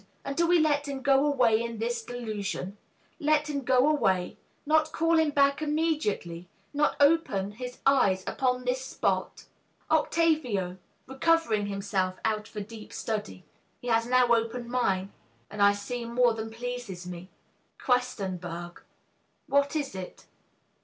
and do we let him go away In this delusion let him go away? Not call him back immediately, not open His eyes upon the spot? OCTAVIO. (Recovering himself out of a deep study) He has now opened mine, And I see more than pleases me. Q. What is it?